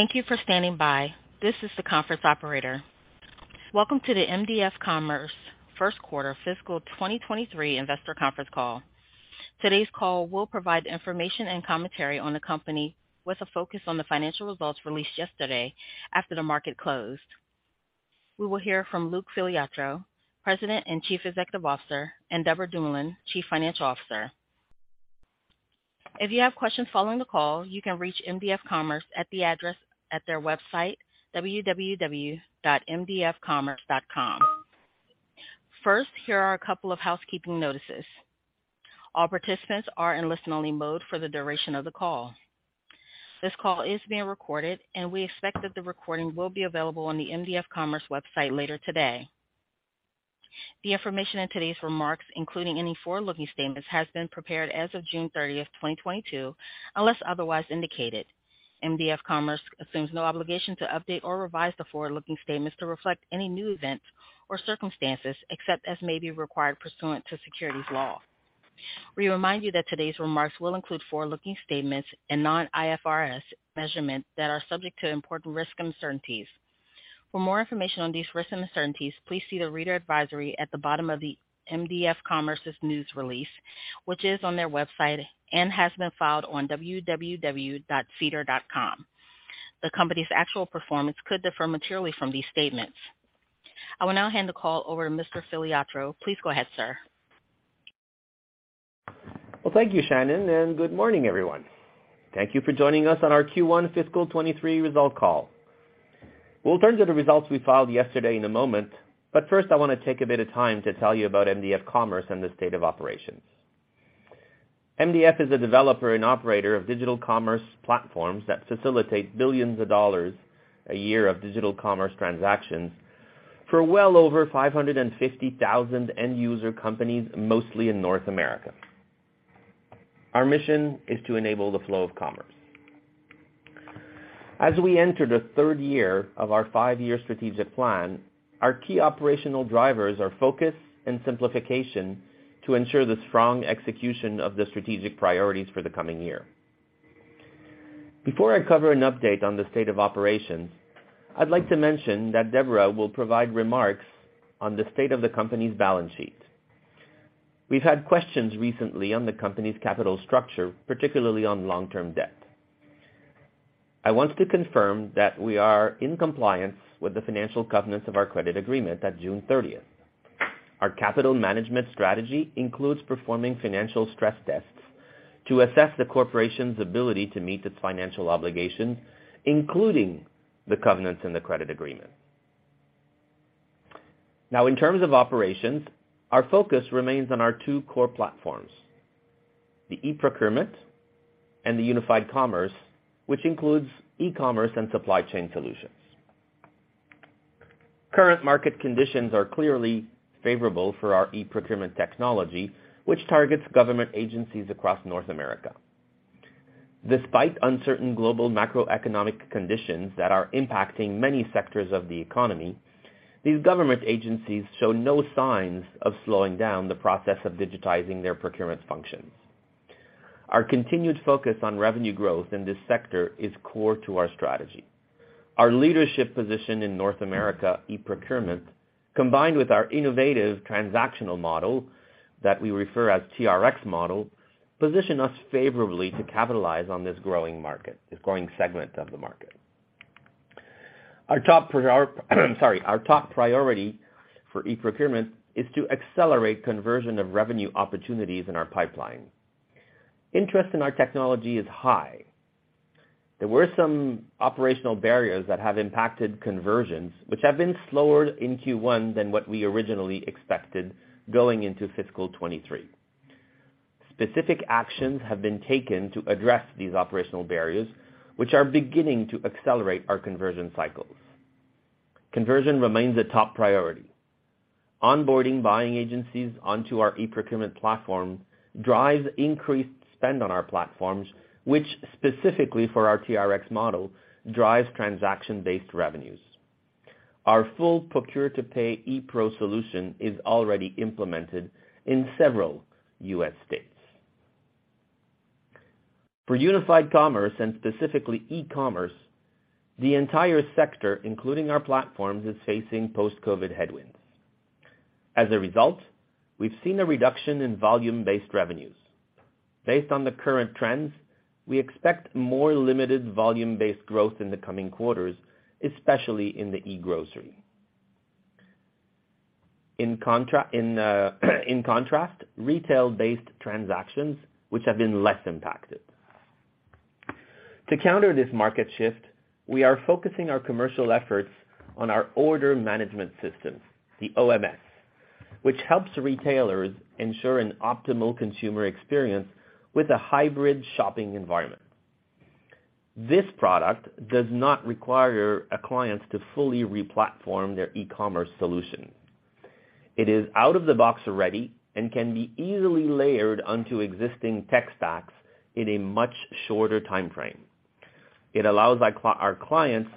Thank you for standing by. This is the conference operator. Welcome to the mdf commerce first quarter fiscal 2023 investor conference call. Today's call will provide information and commentary on the company with a focus on the financial results released yesterday after the market closed. We will hear from Luc Filiatreault, President and Chief Executive Officer, and Deborah Dumoulin, Chief Financial Officer. If you have questions following the call, you can reach mdf commerce at the address at their website, www.mdfcommerce.com. First, here are a couple of housekeeping notices. All participants are in listen-only mode for the duration of the call. This call is being recorded, and we expect that the recording will be available on the mdf commerce website later today. The information in today's remarks, including any forward-looking statements, has been prepared as of June 30th, 2022, unless otherwise indicated. mdf commerce assumes no obligation to update or revise the forward-looking statements to reflect any new events or circumstances, except as may be required pursuant to securities law. We remind you that today's remarks will include forward-looking statements and non-IFRS measurements that are subject to important risks and uncertainties. For more information on these risks and uncertainties, please see the reader advisory at the bottom of the mdf commerce's news release, which is on their website and has been filed on www.sedarplus.ca. The company's actual performance could differ materially from these statements. I will now hand the call over to Mr. Filiatreault. Please go ahead, sir. Well, thank you, Shannon, and good morning, everyone. Thank you for joining us on our Q1 fiscal 2023 results call. We'll turn to the results we filed yesterday in a moment, but first I wanna take a bit of time to tell you about mdf commerce and the state of operations. mdf commerce is a developer and operator of digital commerce platforms that facilitate billions dollars a year of digital commerce transactions for well over 550,000 end user companies, mostly in North America. Our mission is to enable the flow of commerce. As we enter the third year of our five-year strategic plan, our key operational drivers are focus and simplification to ensure the strong execution of the strategic priorities for the coming year. Before I cover an update on the state of operations, I'd like to mention that Deborah will provide remarks on the state of the company's balance sheet. We've had questions recently on the company's capital structure, particularly on long-term debt. I want to confirm that we are in compliance with the financial covenants of our credit agreement at June 30th. Our capital management strategy includes performing financial stress tests to assess the corporation's ability to meet its financial obligations, including the covenants in the credit agreement. Now in terms of operations, our focus remains on our two core platforms, the eProcurement and the unified commerce, which includes e-commerce and supply chain solutions. Current market conditions are clearly favorable for our eProcurement technology, which targets government agencies across North America. Despite uncertain global macroeconomic conditions that are impacting many sectors of the economy, these government agencies show no signs of slowing down the process of digitizing their procurement functions. Our continued focus on revenue growth in this sector is core to our strategy. Our leadership position in North America eProcurement, combined with our innovative transactional model that we refer as TRX model, position us favorably to capitalize on this growing market, this growing segment of the market. Our top priority for eProcurement is to accelerate conversion of revenue opportunities in our pipeline. Interest in our technology is high. There were some operational barriers that have impacted conversions, which have been slower in Q1 than what we originally expected going into fiscal 2023. Specific actions have been taken to address these operational barriers, which are beginning to accelerate our conversion cycles. Conversion remains a top priority. Onboarding buying agencies onto our eProcurement platform drives increased spend on our platforms, which specifically for our TRX model, drives transaction-based revenues. Our full procure to pay ePRO solution is already implemented in several U.S. states. For unified commerce, and specifically e-commerce, the entire sector, including our platforms, is facing post-COVID headwinds. As a result, we've seen a reduction in volume-based revenues. Based on the current trends, we expect more limited volume-based growth in the coming quarters, especially in the eGrocery. In contrast, retail-based transactions, which have been less impacted. To counter this market shift, we are focusing our commercial efforts on our order management systems, the OMS, which helps retailers ensure an optimal consumer experience with a hybrid shopping environment. This product does not require a client to fully re-platform their e-commerce solution. It is out-of-the-box ready and can be easily layered onto existing tech stacks in a much shorter timeframe. It allows our clients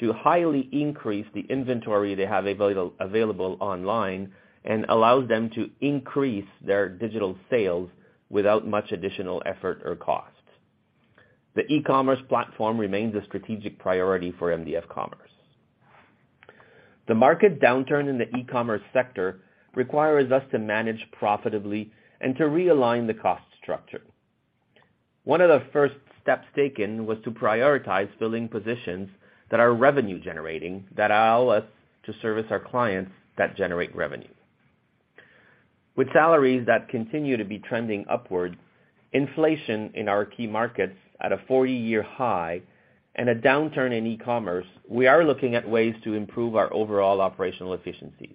to highly increase the inventory they have available online and allows them to increase their digital sales without much additional effort or cost. The e-commerce platform remains a strategic priority for mdf commerce. The market downturn in the e-commerce sector requires us to manage profitably and to realign the cost structure. One of the first steps taken was to prioritize filling positions that are revenue generating, that allow us to service our clients that generate revenue. With salaries that continue to be trending upwards, inflation in our key markets at a 40-year high, and a downturn in e-commerce, we are looking at ways to improve our overall operational efficiencies.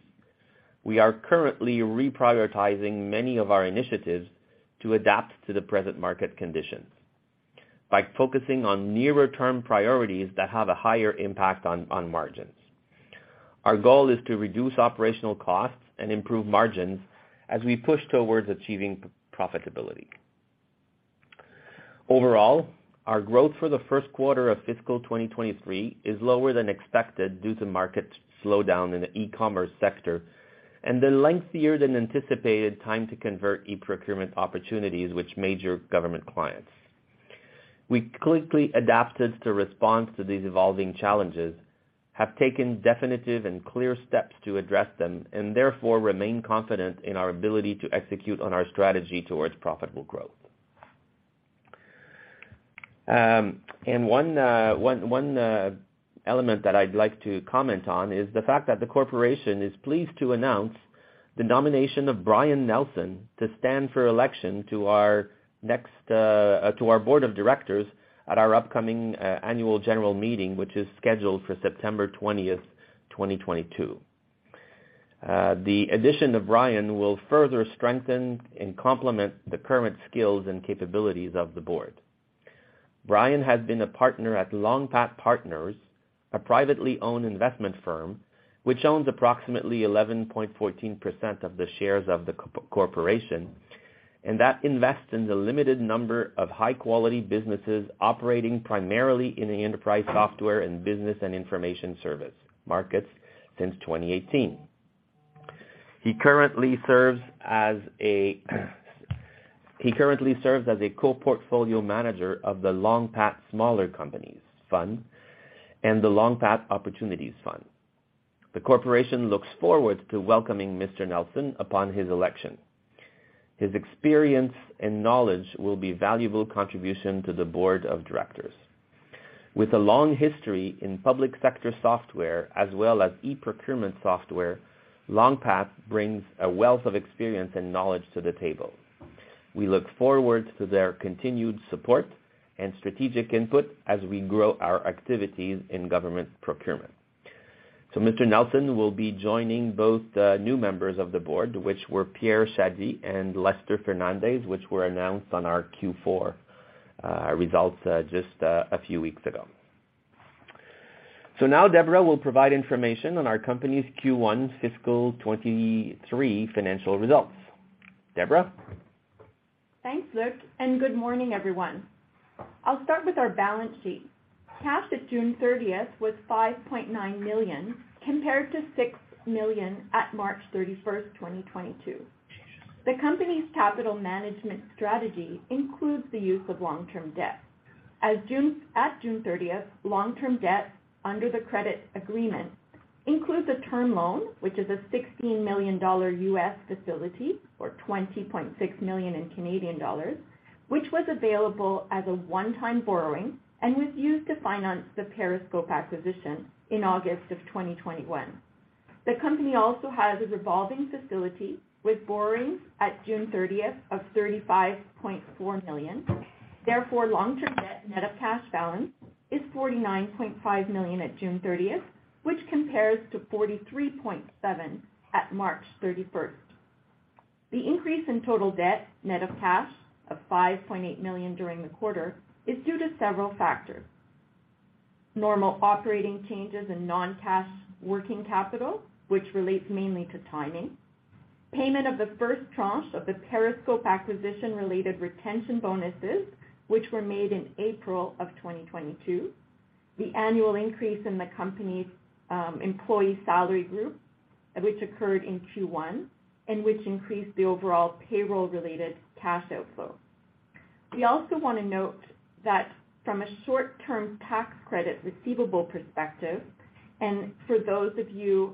We are currently reprioritizing many of our initiatives to adapt to the present market conditions by focusing on nearer term priorities that have a higher impact on margins. Our goal is to reduce operational costs and improve margins as we push towards achieving profitability. Overall, our growth for the first quarter of fiscal 2023 is lower than expected due to market slowdown in the e-commerce sector and the lengthier than anticipated time to convert eProcurement opportunities with major government clients. We quickly adapted to respond to these evolving challenges, have taken definitive and clear steps to address them, and therefore remain confident in our ability to execute on our strategy towards profitable growth. One element that I'd like to comment on is the fact that the corporation is pleased to announce the nomination of Brian Nelson to stand for election to our next to our board of directors at our upcoming annual general meeting, which is scheduled for September 20th, 2022. The addition of Brian will further strengthen and complement the current skills and capabilities of the board. Brian has been a partner at Long Path Partners, a privately owned investment firm which owns approximately 11.14% of the shares of the corporation, and that invests in the limited number of high quality businesses operating primarily in the enterprise software and business and information service markets since 2018. He currently serves as a co-portfolio manager of the Long Path Smaller Companies Fund and the Long Path Opportunities Fund. The corporation looks forward to welcoming Mr. Nelson upon his election. His experience and knowledge will be valuable contribution to the board of directors. With a long history in public sector software as well as e-procurement software, Long Path brings a wealth of experience and knowledge to the table. We look forward to their continued support and strategic input as we grow our activities in government procurement. Mr. Nelson will be joining both new members of the board, which were Pierre Chadi and Lester Fernandes, which were announced on our Q4 results just a few weeks ago. Now Deborah will provide information on our company's Q1 fiscal 2023 financial results. Deborah. Thanks, Luc, and good morning, everyone. I'll start with our balance sheet. Cash at June 30th was 5.9 million, compared to 6 million at March 31st, 2022. The company's capital management strategy includes the use of long-term debt. At June 30th, long-term debt under the credit agreement includes a term loan, which is a $16 million U.S. facility, or 20.6 million, which was available as a one-time borrowing and was used to finance the Periscope acquisition in August 2021. The company also has a revolving facility with borrowings at June 30th of 35.4 million. Therefore, long-term debt net of cash balance is 49.5 million at June 30th, which compares to 43.7 million at March 31st. The increase in total debt, net of cash, of 5.8 million during the quarter, is due to several factors. Normal operating changes in non-cash working capital, which relates mainly to timing. Payment of the first tranche of the Periscope acquisition-related retention bonuses, which were made in April 2022. The annual increase in the company's employee salary group, which occurred in Q1, and which increased the overall payroll-related cash outflow. We also wanna note that from a short-term tax credit receivable perspective, and for those of you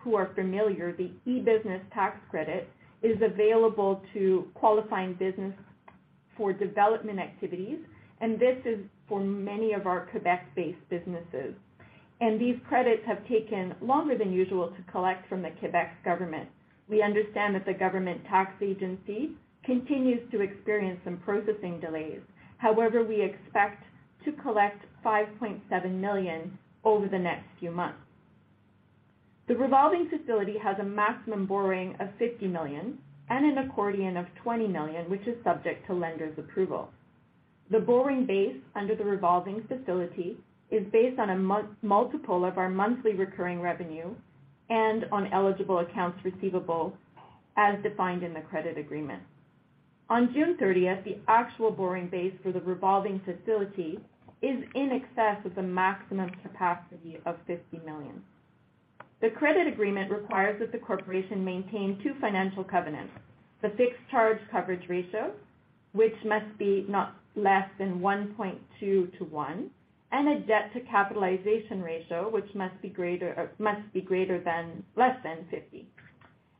who are familiar, the e-business tax credit is available to qualifying business for development activities, and this is for many of our Quebec-based businesses. These credits have taken longer than usual to collect from the Quebec government. We understand that the government tax agency continues to experience some processing delays. However, we expect to collect 5.7 million over the next few months. The revolving facility has a maximum borrowing of 50 million and an accordion of 20 million, which is subject to lender's approval. The borrowing base under the revolving facility is based on a 1x multiple of our monthly recurring revenue and on eligible accounts receivable as defined in the credit agreement. On June 30th, the actual borrowing base for the revolving facility is in excess of the maximum capacity of 50 million. The credit agreement requires that the corporation maintain two financial covenants, the fixed charge coverage ratio, which must be not less than 1.2 to 1, and a debt to capitalization ratio, which must be less than 50%.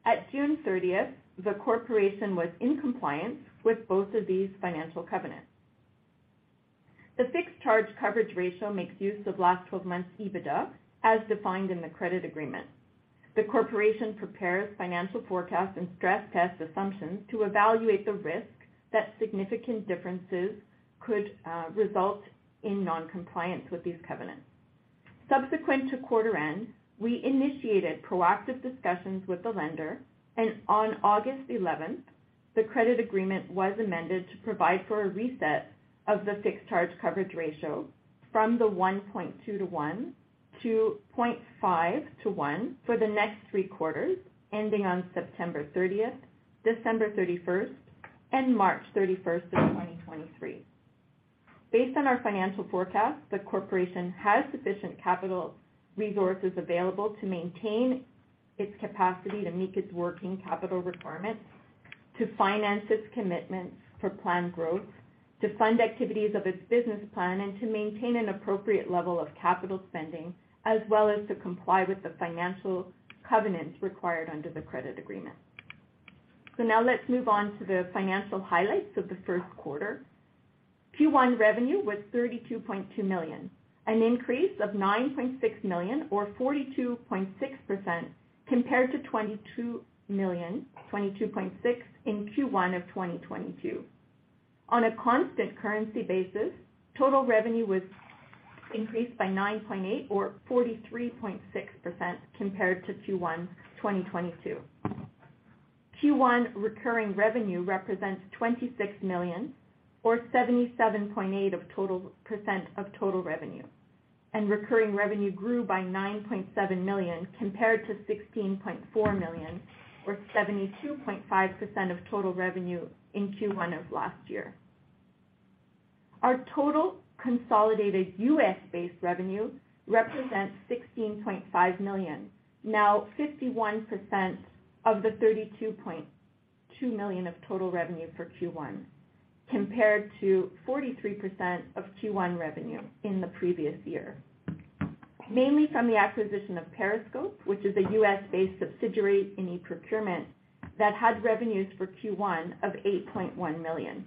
At June 30th, the corporation was in compliance with both of these financial covenants. The fixed charge coverage ratio makes use of last 12 months EBITDA as defined in the credit agreement. The corporation prepares financial forecasts and stress test assumptions to evaluate the risk that significant differences could result in non-compliance with these covenants. Subsequent to quarter end, we initiated proactive discussions with the lender, and on August eleventh, the credit agreement was amended to provide for a reset of the fixed charge coverage ratio from the 1.2:1 to 0.5:1 for the next three quarters ending on September 30th, December 31st, and March 31st of 2023. Based on our financial forecast, the corporation has sufficient capital resources available to maintain its capacity to meet its working capital requirements, to finance its commitments for planned growth, to fund activities of its business plan, and to maintain an appropriate level of capital spending, as well as to comply with the financial covenants required under the credit agreement. Now let's move on to the financial highlights of the first quarter. Q1 revenue was 32.2 million, an increase of 9.6 million or 42.6% compared to 22.6 million in Q1 of 2022. On a constant currency basis, total revenue increased by 9.8 million or 43.6% compared to Q1 2022. Q1 recurring revenue represents 26 million or 77.8% of total revenue. Recurring revenue grew by 9.7 million compared to 16.4 million or 72.5% of total revenue in Q1 of last year. Our total consolidated U.S. based revenue represents 16.5 million, now 51% of the 32.2 million of total revenue for Q1, compared to 43% of Q1 revenue in the previous year. Mainly from the acquisition of Periscope, which is a U.S. based subsidiary in e-procurement that had revenues for Q1 of 8.1 million.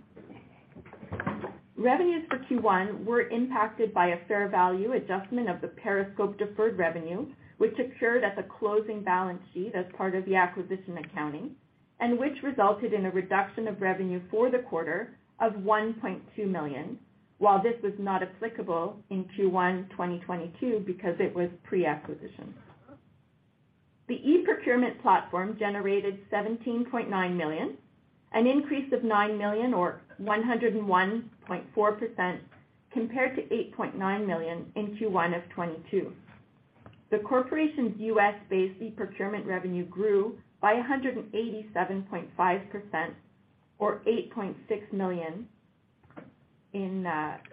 Revenues for Q1 were impacted by a fair value adjustment of the Periscope deferred revenue, which occurred at the closing balance sheet as part of the acquisition accounting, and which resulted in a reduction of revenue for the quarter of 1.2 million. While this was not applicable in Q1 2022 because it was pre-acquisition. The e-procurement platform generated 17.9 million, an increase of 9 million or 101.4% compared to 8.9 million in Q1 of 2022. The corporation's US-based e-procurement revenue grew by 187.5% or 8.6 million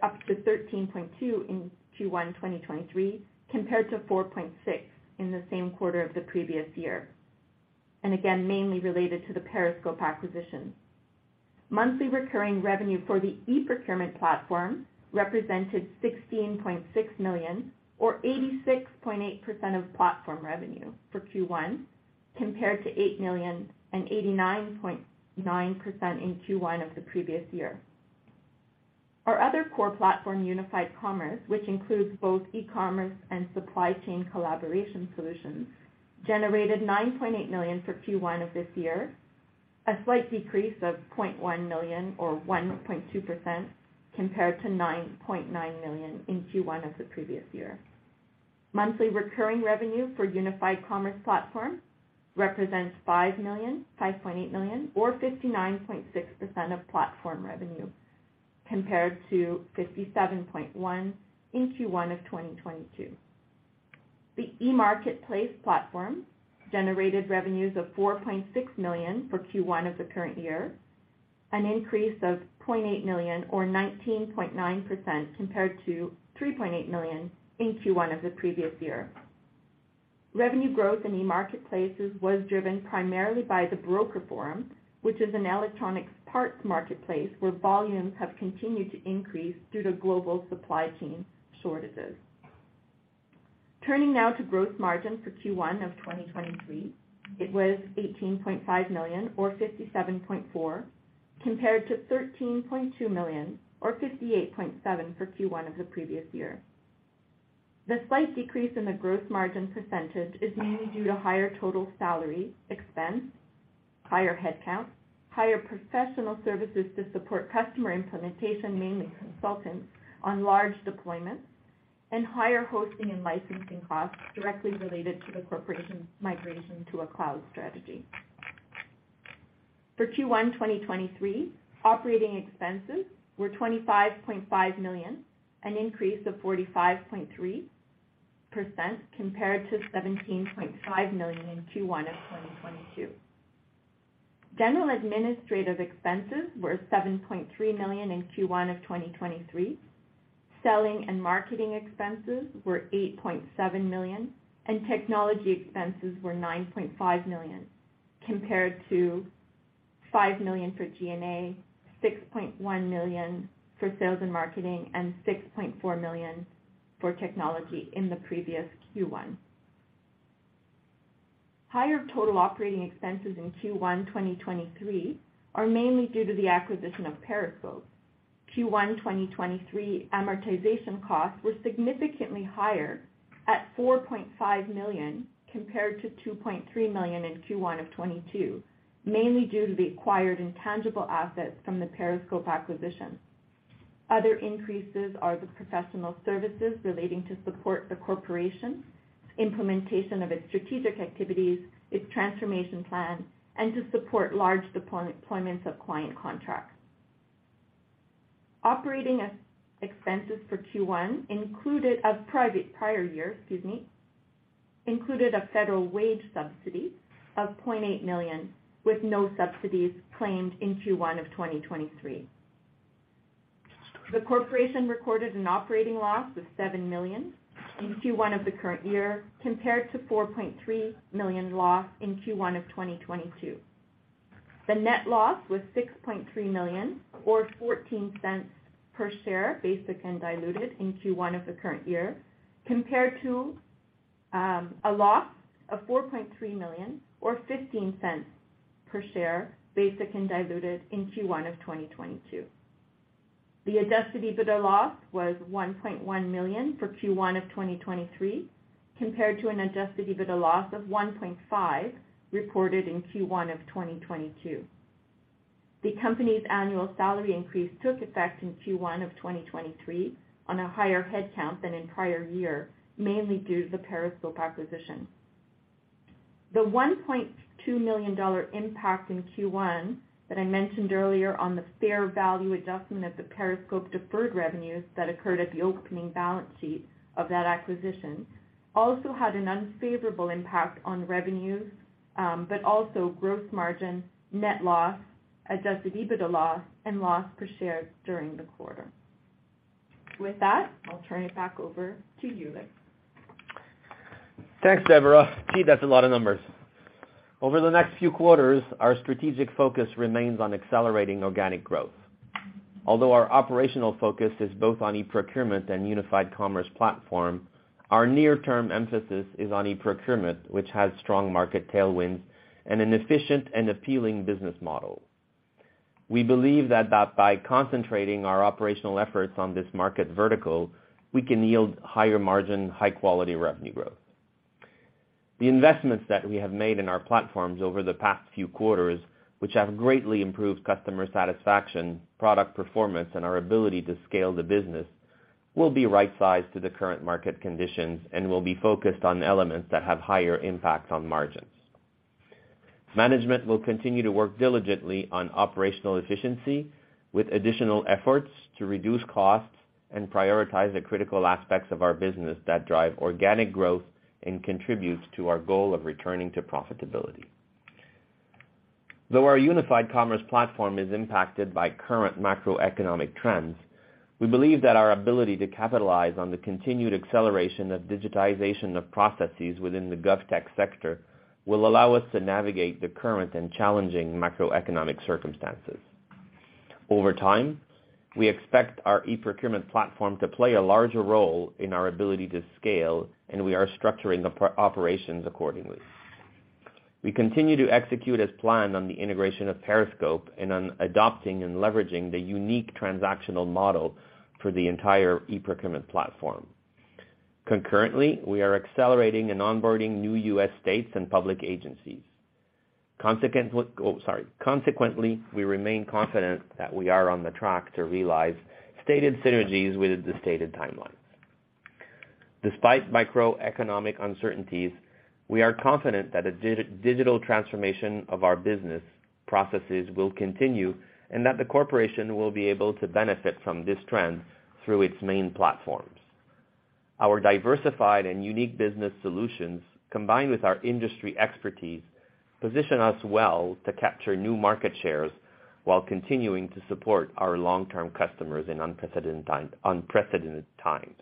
up to 13.2 million in Q1 2023, compared to 4.6 million in the same quarter of the previous year. Again, mainly related to the Periscope acquisition. Monthly recurring revenue for the e-procurement platform represented 16.6 million or 86.8% of platform revenue for Q1, compared to 8 million and 89.9% in Q1 of the previous year. Our other core platform, Unified Commerce, which includes both e-commerce and supply chain collaboration solutions, generated 9.8 million for Q1 of this year, a slight decrease of 0.1 million or 1.2% compared to 9.9 million in Q1 of the previous year. Monthly recurring revenue for Unified Commerce platform represents 5.8 million or 59.6% of platform revenue, compared to 57.1% in Q1 of 2022. The e-marketplace platform generated revenues of 4.6 million for Q1 of the current year, an increase of 0.8 million or 19.9% compared to 3.8 million in Q1 of the previous year. Revenue growth in e-marketplaces was driven primarily by the BrokerForum, which is an electronics parts marketplace where volumes have continued to increase due to global supply chain shortages. Turning now to gross margin for Q1 of 2023, it was 18.5 million or 57.4%, compared to 13.2 million or 58.7% for Q1 of the previous year. The slight decrease in the gross margin percentage is mainly due to higher total salary expense, higher headcount, higher professional services to support customer implementation, mainly consultants on large deployments, and higher hosting and licensing costs directly related to the corporation's migration to a cloud strategy. For Q1 2023, operating expenses were 25.5 million, an increase of 45.3% compared to 17.5 million in Q1 of 2022. General administrative expenses were 7.3 million in Q1 of 2023. Selling and marketing expenses were 8.7 million, and technology expenses were 9.5 million, compared to 5 million for G&A, 6.1 million for sales and marketing, and 6.4 million for technology in the previous Q1. Higher total operating expenses in Q1 2023 are mainly due to the acquisition of Periscope. Q1 2023 amortization costs were significantly higher at 4.5 million compared to 2.3 million in Q1 of 2022, mainly due to the acquired intangible assets from the Periscope acquisition. Other increases are the professional services relating to support the corporation, implementation of its strategic activities, its transformation plan, and to support large deployments of client contracts. Operating expenses for Q1, prior year included a federal wage subsidy of 0.8 million, with no subsidies claimed in Q1 of 2023. The corporation recorded an operating loss of 7 million in Q1 of the current year, compared to 4.3 million loss in Q1 of 2022.The net loss was 6.3 million or 0.14 per share, basic and diluted in Q1 of the current year, compared to a loss of 4.3 million or 0.15 per share, basic and diluted in Q1 of 2022. The adjusted EBITDA loss was 1.1 million for Q1 of 2023, compared to an adjusted EBITDA loss of 1.5 million reported in Q1 of 2022. The company's annual salary increase took effect in Q1 of 2023 on a higher headcount than in prior year, mainly due to the Periscope acquisition. The 1.2 million dollar impact in Q1 that I mentioned earlier on the fair value adjustment of the Periscope deferred revenues that occurred at the opening balance sheet of that acquisition also had an unfavorable impact on revenues, but also gross margin, net loss, adjusted EBITDA loss, and loss per share during the quarter. With that, I'll turn it back over to you, Luc. Thanks, Deborah. Gee, that's a lot of numbers. Over the next few quarters, our strategic focus remains on accelerating organic growth. Although our operational focus is both on e-procurement and unified commerce platform, our near-term emphasis is on e-procurement, which has strong market tailwinds and an efficient and appealing business model. We believe that by concentrating our operational efforts on this market vertical, we can yield higher margin, high-quality revenue growth. The investments that we have made in our platforms over the past few quarters, which have greatly improved customer satisfaction, product performance, and our ability to scale the business, will be right-sized to the current market conditions and will be focused on elements that have higher impacts on margins. Management will continue to work diligently on operational efficiency with additional efforts to reduce costs and prioritize the critical aspects of our business that drive organic growth and contributes to our goal of returning to profitability. Though our unified commerce platform is impacted by current macroeconomic trends, we believe that our ability to capitalize on the continued acceleration of digitization of processes within the GovTech sector will allow us to navigate the current and challenging macroeconomic circumstances. Over time, we expect our e-procurement platform to play a larger role in our ability to scale, and we are structuring the operations accordingly. We continue to execute as planned on the integration of Periscope and on adopting and leveraging the unique transactional model for the entire e-procurement platform. Concurrently, we are accelerating and onboarding new U.S. states and public agencies. Consequently, we remain confident that we are on the track to realize stated synergies within the stated timelines. Despite macroeconomic uncertainties, we are confident that a digital transformation of our business processes will continue and that the corporation will be able to benefit from this trend through its main platforms. Our diversified and unique business solutions, combined with our industry expertise, position us well to capture new market shares while continuing to support our long-term customers in unprecedented times.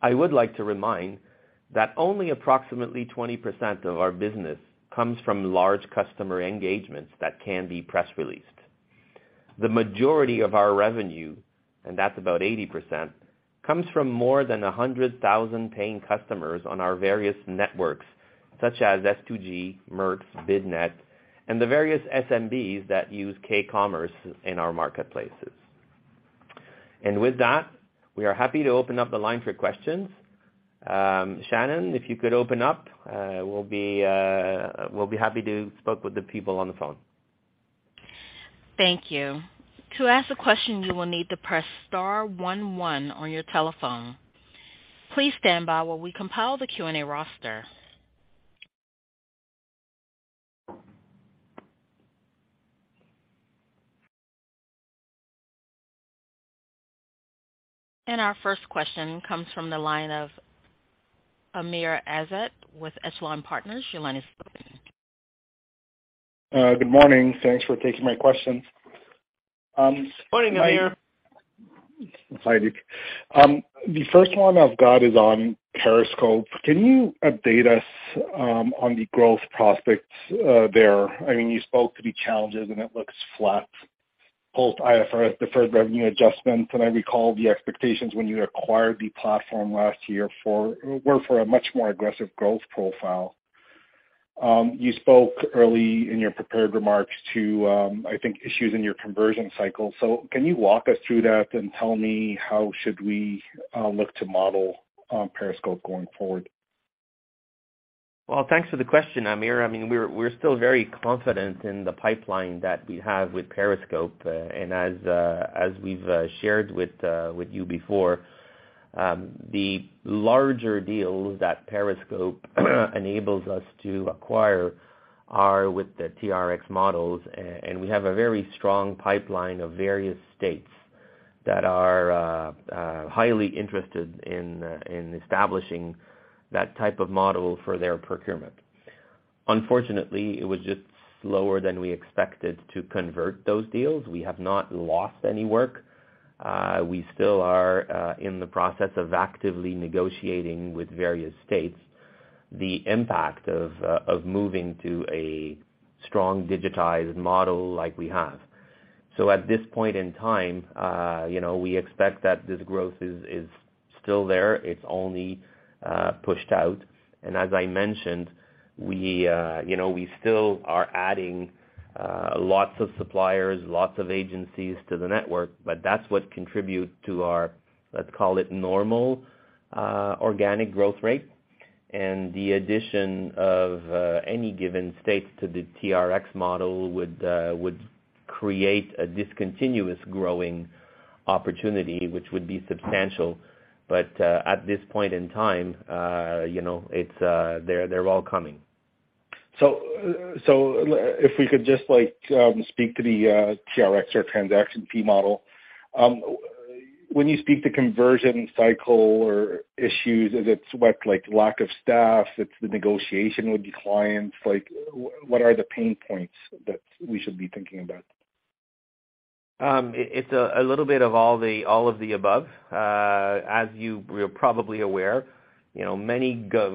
I would like to remind that only approximately 20% of our business comes from large customer engagements that can be press released. The majority of our revenue, and that's about 80%, comes from more than 100,000 paying customers on our various networks such as S2G, MERX, BidNet, and the various SMBs that use k-ecommerce in our marketplaces. With that, we are happy to open up the line for questions. Shannon, if you could open up, we'll be happy to speak with the people on the phone. Thank you. To ask a question, you will need to press star one one on your telephone. Please stand by while we compile the Q&A roster. Our first question comes from the line of Amr Ezzat with Echelon Wealth Partners. Your line is open. Good morning. Thanks for taking my questions. Morning, Amr. Hi, Luc. The first one I've got is on Periscope. Can you update us on the growth prospects there? I mean, you spoke to the challenges, and it looks flat, post IFRS, deferred revenue adjustments. I recall the expectations when you acquired the platform last year were for a much more aggressive growth profile. You spoke early in your prepared remarks to, I think, issues in your conversion cycle. Can you walk us through that and tell me how should we look to model Periscope going forward? Well, thanks for the question, Amr. I mean, we're still very confident in the pipeline that we have with Periscope. As we've shared with you before, the larger deals that Periscope enables us to acquire are with the TRX models. We have a very strong pipeline of various states that are highly interested in establishing that type of model for their procurement. Unfortunately, it was just slower than we expected to convert those deals. We have not lost any work. We still are in the process of actively negotiating with various states the impact of moving to a strong digitized model like we have. At this point in time, you know, we expect that this growth is still there. It's only pushed out. As I mentioned, we, you know, we still are adding, lots of suppliers, lots of agencies to the network, but that's what contributes to our, let's call it normal, organic growth rate. The addition of, any given states to the TRX model would create a discontinuous growing opportunity, which would be substantial. At this point in time, you know, it's, they're all coming. If we could just like speak to the TRX or transaction fee model. When you speak to conversion cycle or issues, is it what, like lack of staff? It's the negotiation with the clients? Like what are the pain points that we should be thinking about? It's a little bit of all of the above. As you were probably aware, you know,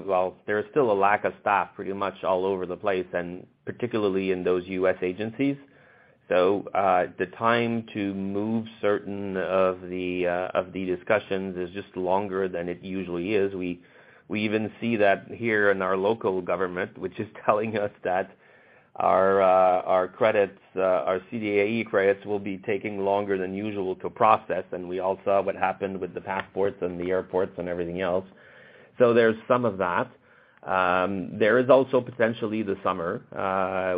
well, there's still a lack of staff pretty much all over the place, and particularly in those U.S. agencies. The time to move certain of the discussions is just longer than it usually is. We even see that here in our local government, which is telling us that our CDAE credits will be taking longer than usual to process. We all saw what happened with the passports and the airports and everything else. There's some of that. There is also potentially the summer,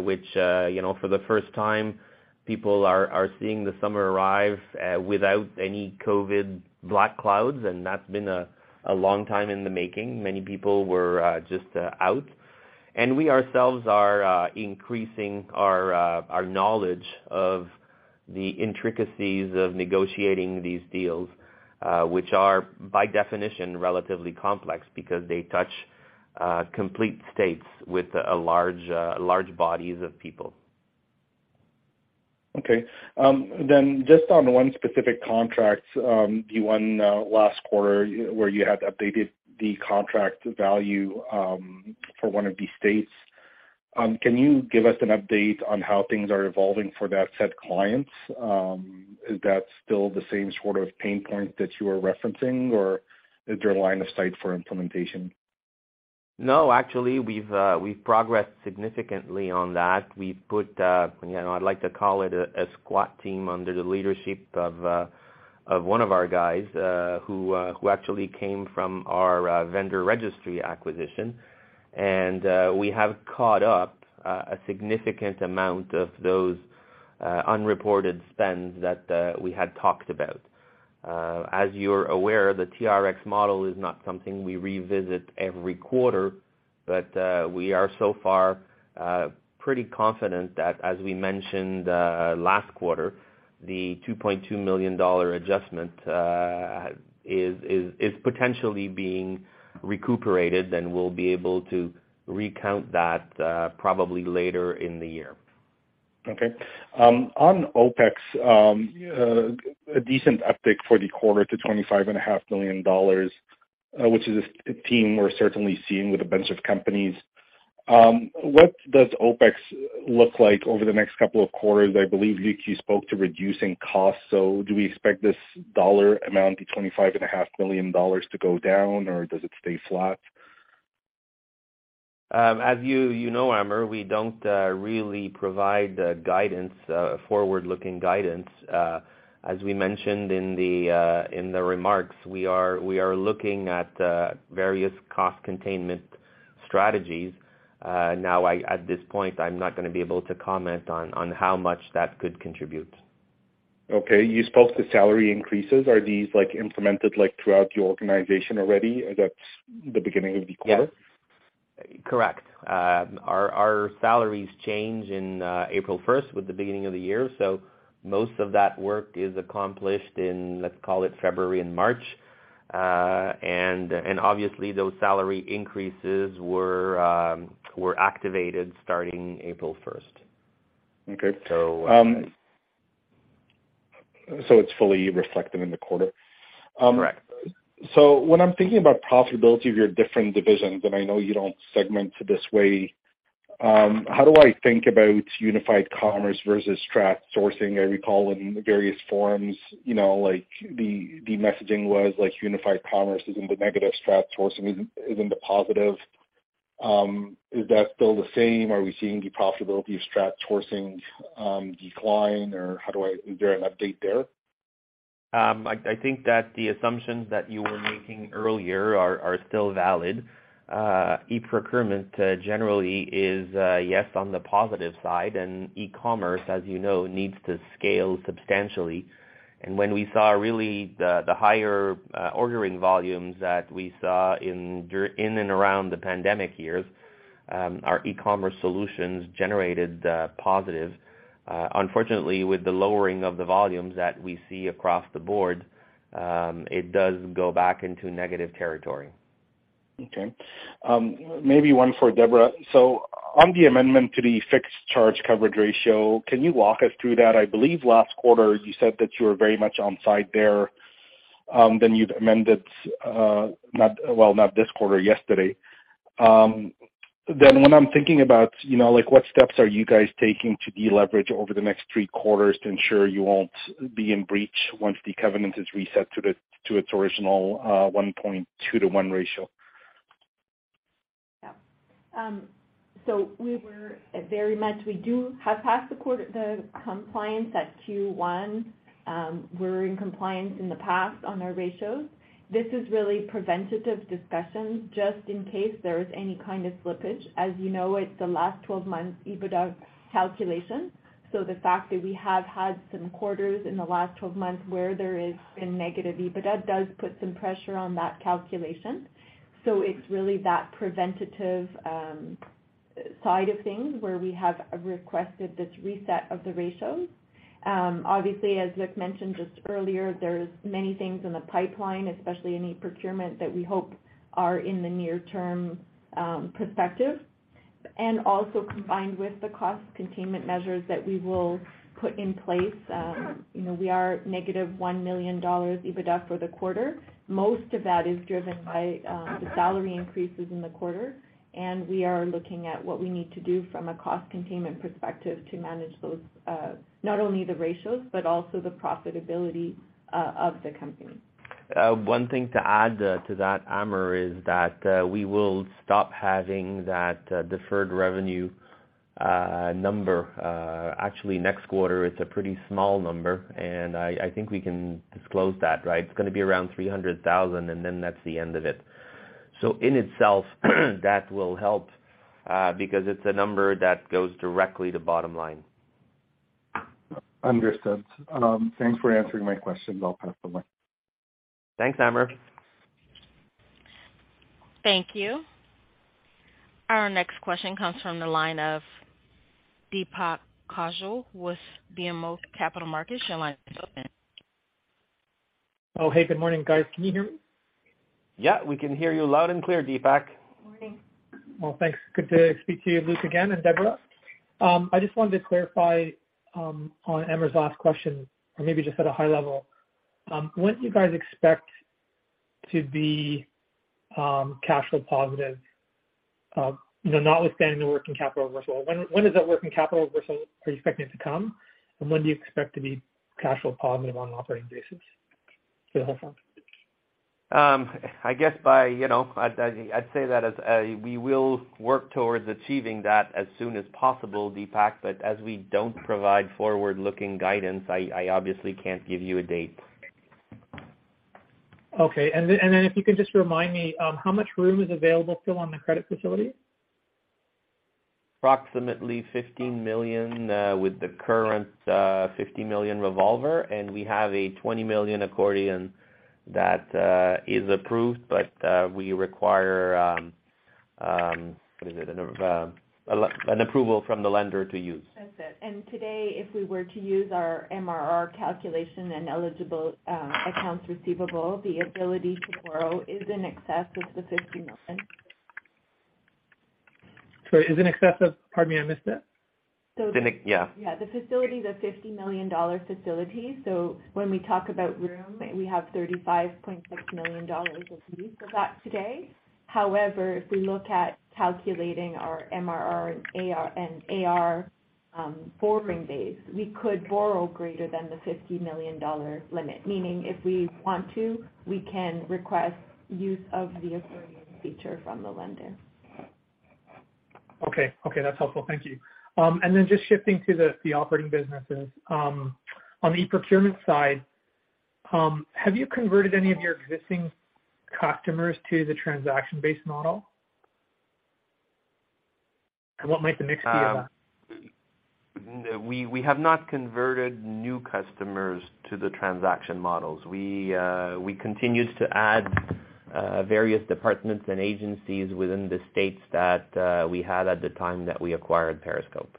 which, you know, for the first time, people are seeing the summer arrive without any COVID black clouds, and that's been a long time in the making. Many people were just out. We ourselves are increasing our knowledge of the intricacies of negotiating these deals, which are by definition, relatively complex because they touch complete states with a large bodies of people. Just on one specific contract, the one last quarter where you had updated the contract value, for one of these states, can you give us an update on how things are evolving for that said clients? Is that still the same sort of pain point that you are referencing, or is there a line of sight for implementation? No, actually, we've progressed significantly on that. We've put, you know, I'd like to call it a SWAT team under the leadership of one of our guys who actually came from our Vendor Registry acquisition. We have caught up a significant amount of those unreported spends that we had talked about. As you're aware, the TRX model is not something we revisit every quarter, but we are so far pretty confident that, as we mentioned last quarter, the 2.2 million dollar adjustment is potentially being recuperated, and we'll be able to recoup that probably later in the year. Okay. On OpEx, a decent uptick for the quarter to 25.5 Million dollars, which is a theme we're certainly seeing with a bunch of companies. What does OpEx look like over the next couple of quarters? I believe Luc, you spoke to reducing costs. Do we expect this dollar amount of 25.5 million dollars to go down, or does it stay flat? As you know, Amr, we don't really provide forward-looking guidance. As we mentioned in the remarks, we are looking at various cost containment strategies. Now at this point, I'm not gonna be able to comment on how much that could contribute. Okay. You spoke to salary increases. Are these, like, implemented, like, throughout your organization already, or that's the beginning of the quarter? Correct. Our salaries change in April first with the beginning of the year. Most of that work is accomplished in, let's call it February and March. And obviously, those salary increases were activated starting April first. Okay. So, um- It's fully reflected in the quarter. Correct. When I'm thinking about profitability of your different divisions, and I know you don't segment this way, how do I think about unified commerce versus strategic sourcing? I recall in various forums, you know, like the messaging was like unified commerce is in the negative, strategic sourcing is in the positive. Is that still the same? Are we seeing the profitability of strategic sourcing decline, or is there an update there? I think that the assumptions that you were making earlier are still valid. e-procurement generally is yes on the positive side, and e-commerce, as you know, needs to scale substantially. When we saw really the higher ordering volumes that we saw in and around the pandemic years, our e-commerce solutions generated positive. Unfortunately, with the lowering of the volumes that we see across the board, it does go back into negative territory. Okay. Maybe one for Deborah. On the amendment to the fixed charge coverage ratio, can you walk us through that? I believe last quarter you said that you were very much on side there, then you've amended, well, not this quarter, yesterday. When I'm thinking about, you know, like what steps are you guys taking to deleverage over the next three quarters to ensure you won't be in breach once the covenant is reset to its original 1.2:1 ratio? Yeah. We do have passed the quarter, the compliance at Q1. We're in compliance in the past on our ratios. This is really preventative discussions just in case there is any kind of slippage. As you know, it's the last twelve months EBITDA calculation. The fact that we have had some quarters in the last twelve months where there has been negative EBITDA does put some pressure on that calculation. It's really that preventative side of things where we have requested this reset of the ratios. Obviously, as Luc mentioned just earlier, there's many things in the pipeline, especially in e-procurement, that we hope are in the near term perspective, and also combined with the cost containment measures that we will put in place. You know, we are negative 1 million dollars EBITDA for the quarter. Most of that is driven by the salary increases in the quarter, and we are looking at what we need to do from a cost containment perspective to manage those, not only the ratios, but also the profitability of the company. One thing to add to that, Amr, is that we will stop having that deferred revenue number actually next quarter. It's a pretty small number, and I think we can disclose that, right? It's gonna be around 300,000 and then that's the end of it. In itself, that will help because it's a number that goes directly to bottom line. Understood. Thanks for answering my questions. I'll pass the mic. Thanks, Amr. Thank you. Our next question comes from the line of Deepak Kaushal with BMO Capital Markets. Your line is open. Oh, hey, good morning, guys. Can you hear me? Yeah, we can hear you loud and clear, Deepak. Morning. Well, thanks. Good to speak to you, Luc, again, and Deborah. I just wanted to clarify on Amr's last question or maybe just at a high level, when do you guys expect to be cash flow positive? You know, notwithstanding the working capital reversal, when does that working capital reversal are you expecting it to come, and when do you expect to be cash flow positive on an operating basis for the whole firm? I guess, you know, I'd say that, as we will work towards achieving that as soon as possible, Deepak. As we don't provide forward-looking guidance, I obviously can't give you a date. Okay. If you could just remind me, how much room is available still on the credit facility? Approximately 15 million with the current 50 million revolver, and we have a 20 million accordion that is approved, but we require an approval from the lender to use. That's it. Today, if we were to use our MRR calculation and eligible accounts receivable, the ability to borrow is in excess of 50 million. Sorry, is in excess of? Pardon me, I missed that. Yeah. Yeah. The facility is a 50 million dollar facility. When we talk about room, we have 35.6 million dollars of use of that today. However, if we look at calculating our MRR and AR borrowing base, we could borrow greater than the 50 million dollar limit. Meaning if we want to, we can request use of the accordion feature from the lender. Okay. Okay, that's helpful. Thank you. Just shifting to the operating businesses. On the e-procurement side, have you converted any of your existing customers to the transaction-based model? What might the mix be of- We have not converted new customers to the transaction models. We continue to add various departments and agencies within the states that we had at the time that we acquired Periscope.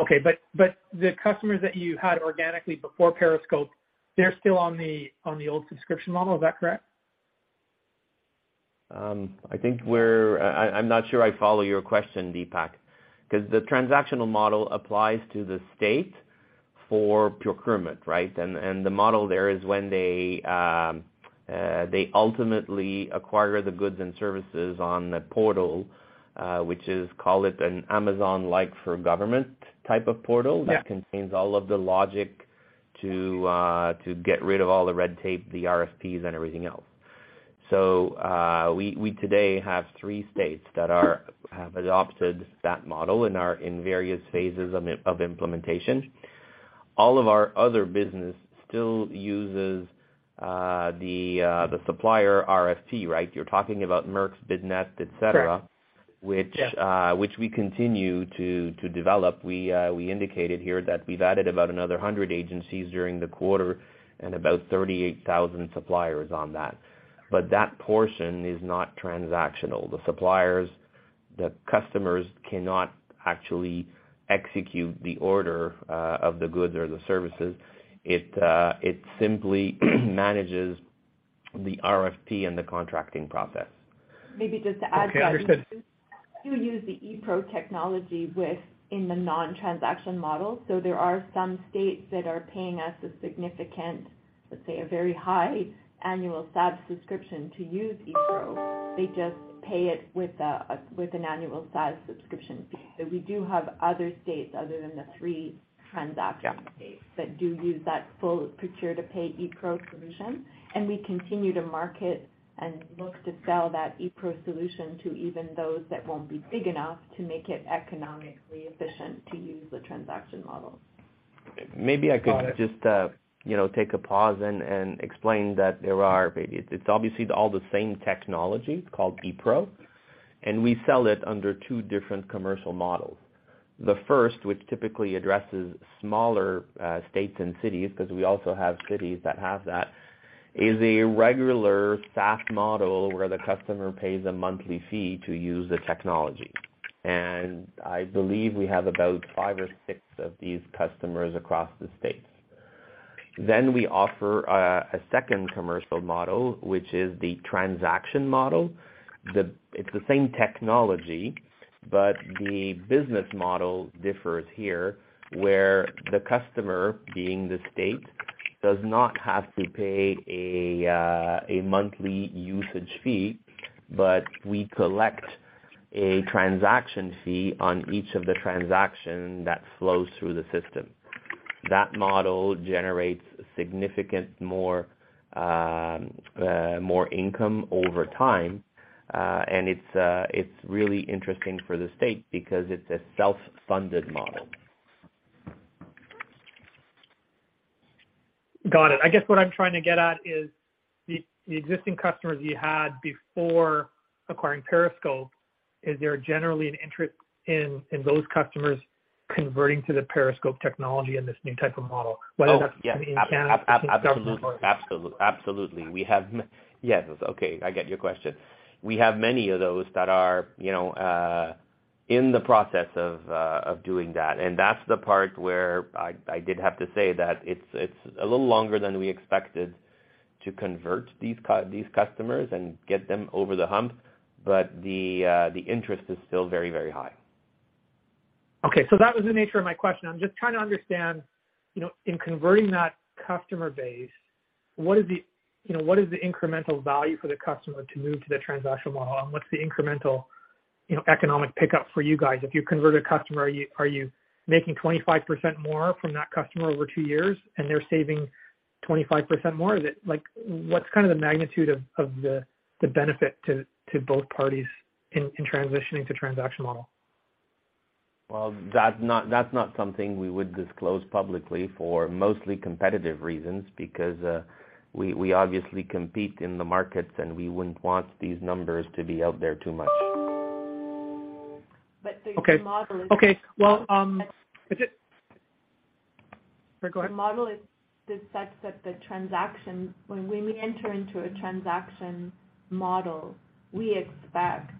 Okay. The customers that you had organically before Periscope, they're still on the old subscription model. Is that correct? I think I’m not sure I follow your question, Deepak. 'Cause the transactional model applies to the state for procurement, right? The model there is when they ultimately acquire the goods and services on the portal, which is, call it an Amazon-like for government type of portal. Yeah. that contains all of the logic to get rid of all the red tape, the RFPs, and everything else. We today have three states that have adopted that model and are in various phases of implementation. All of our other business still uses the supplier RFP, right? You're talking about MERX's business, et cetera. Correct. Yeah. which we continue to develop. We indicated here that we've added about another 100 agencies during the quarter and about 38,000 suppliers on that. That portion is not transactional. The suppliers, the customers cannot actually execute the order of the goods or the services. It simply manages the RFP and the contracting process. Maybe just to add that. Okay. Understood. We do use the ePRO technology within the non-transaction model. There are some states that are paying us a significant, let's say, a very high annual SaaS subscription to use ePRO. They just pay it with an annual SaaS subscription fee. We do have other states other than the three transaction states that do use that full procure to pay ePRO solution, and we continue to market and look to sell that ePRO solution to even those that won't be big enough to make it economically efficient to use the transaction model. Maybe I could just, you know, take a pause and explain. It's obviously all the same technology called ePRO, and we sell it under two different commercial models. The first, which typically addresses smaller states and cities, 'cause we also have cities that have that, is a regular SaaS model where the customer pays a monthly fee to use the technology. I believe we have about five or six of these customers across the states. We offer a second commercial model, which is the transaction model. It's the same technology, but the business model differs here, where the customer, being the state, does not have to pay a monthly usage fee, but we collect a transaction fee on each of the transaction that flows through the system. That model generates significantly more income over time, and it's really interesting for the state because it's a self-funded model. Got it. I guess what I'm trying to get at is the existing customers you had before acquiring Periscope, is there generally an interest in those customers converting to the Periscope technology and this new type of model, whether that's in Canada? Oh, yeah. Absolutely. Yes. Okay, I get your question. We have many of those that are, you know, in the process of doing that. That's the part where I did have to say that it's a little longer than we expected to convert these customers and get them over the hump, but the interest is still very, very high. Okay. That was the nature of my question. I'm just trying to understand, you know, in converting that customer base, what is the, you know, what is the incremental value for the customer to move to the transactional model? And what's the incremental, you know, economic pickup for you guys? If you convert a customer, are you making 25% more from that customer over two years and they're saving 25% more? Is it like. What's kind of the magnitude of the benefit to both parties in transitioning to transactional model? Well, that's not something we would disclose publicly for mostly competitive reasons because we obviously compete in the markets, and we wouldn't want these numbers to be out there too much. The model is. Okay. Well The model Go ahead. When we enter into a transaction model, we expect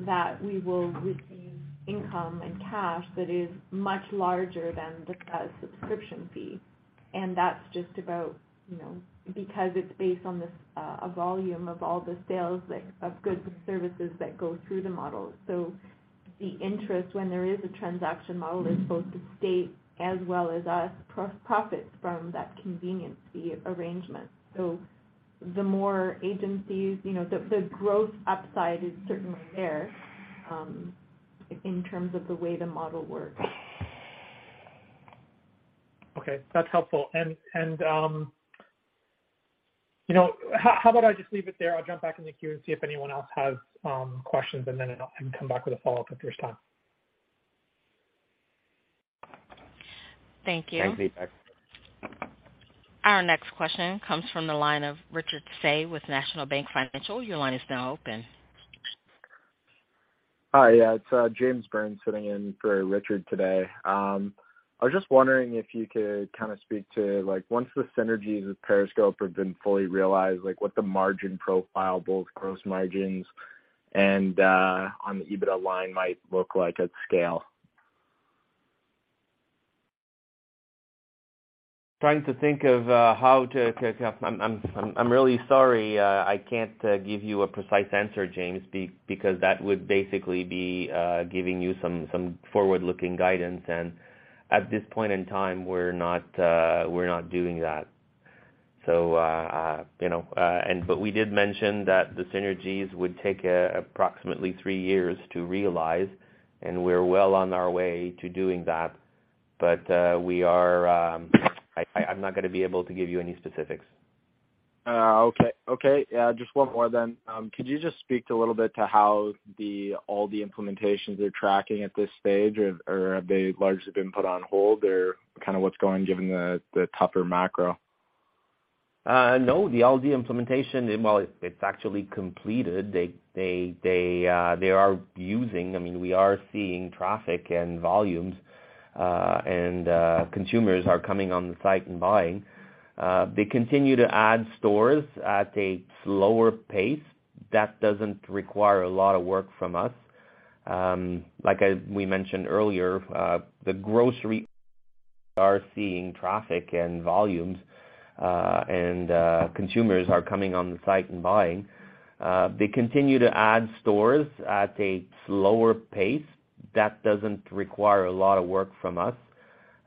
that we will receive income and cash that is much larger than the subscription fee. That's just about, you know, because it's based on this volume of all the sales, like, of goods and services that go through the model. The interest when there is a transaction model is both the state as well as us profits from that convenience fee arrangement. The more agencies, you know, the growth upside is certainly there, in terms of the way the model works. Okay. That's helpful. You know, how about I just leave it there? I'll jump back in the queue and see if anyone else has questions, and then I can come back with a follow-up if there's time. Thank you. Our next question comes from the line of Richard Tse with National Bank Financial. Your line is now open. Hi. Yeah, it's James Burns sitting in for Richard Tse today. I was just wondering if you could kinda speak to, like, once the synergies with Periscope have been fully realized, like, what the margin profile, both gross margins and on the EBITDA line might look like at scale. I'm really sorry I can't give you a precise answer, James, because that would basically be giving you some forward-looking guidance. At this point in time, we're not doing that. You know, but we did mention that the synergies would take approximately three years to realize, and we're well on our way to doing that. I'm not gonna be able to give you any specifics. Just one more. Could you just speak a little bit to how the Aldi implementations are tracking at this stage or have they largely been put on hold or kinda what's going given the tougher macro? No, the Aldi implementation, well, it's actually completed. I mean, we are seeing traffic and volumes, and consumers are coming on the site and buying. They continue to add stores at a slower pace. That doesn't require a lot of work from us. Like we mentioned earlier, the grocery are seeing traffic and volumes, and consumers are coming on the site and buying. They continue to add stores at a slower pace. That doesn't require a lot of work from us.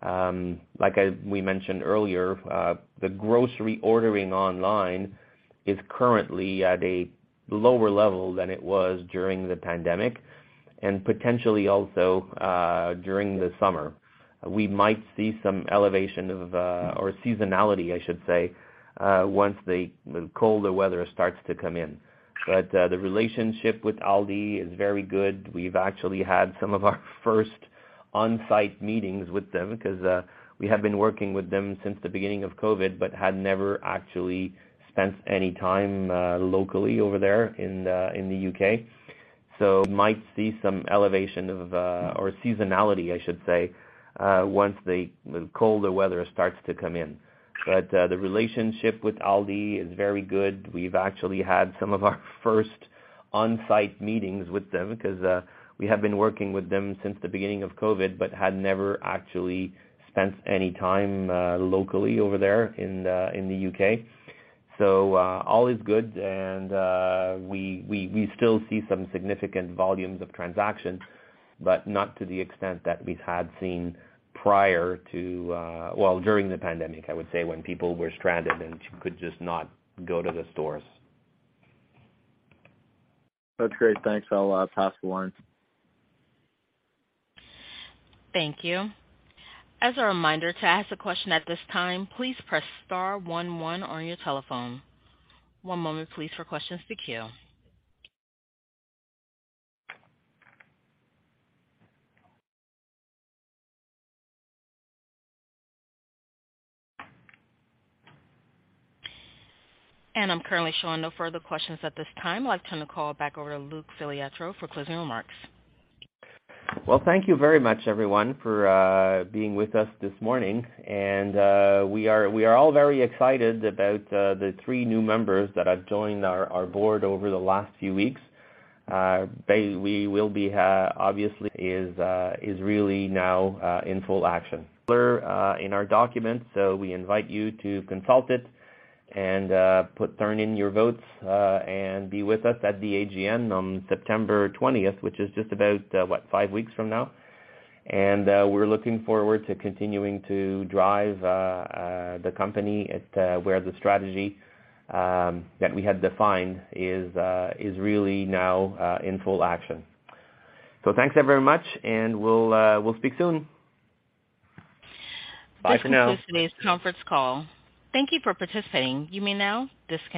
Like we mentioned earlier, the grocery ordering online is currently at a lower level than it was during the pandemic and potentially also during the summer. We might see some elevation of or seasonality, I should say, once the colder weather starts to come in. The relationship with Aldi is very good. We've actually had some of our first on-site meetings with them 'cause we have been working with them since the beginning of COVID, but had never actually spent any time locally over there in the U.K. Might see some elevation of or seasonality, I should say, once the colder weather starts to come in. The relationship with Aldi is very good. We've actually had some of our first on-site meetings with them 'cause we have been working with them since the beginning of COVID, but had never actually spent any time locally over there in the U.K. So all is good. We still see some significant volumes of transactions, but not to the extent that we had seen prior to, well, during the pandemic, I would say, when people were stranded and could just not go to the stores. That's great. Thanks. I'll pass the line. Thank you. As a reminder, to ask a question at this time, please press star one one on your telephone. One moment please for questions to queue. I'm currently showing no further questions at this time. I'd like to turn the call back over to Luc Filiatreault for closing remarks. Well, thank you very much, everyone, for being with us this morning. We are all very excited about the three new members that have joined our board over the last few weeks. The board is really now in full action. In our documents. We invite you to consult it and turn in your votes and be with us at the AGM on September 20th, which is just about 5 weeks from now. We're looking forward to continuing to drive the company where the strategy that we had defined is really now in full action. Thanks everyone much, and we'll speak soon. Bye for now. This concludes today's conference call. Thank you for participating. You may now disconnect.